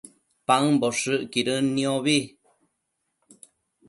paëmboshëcquidën niobi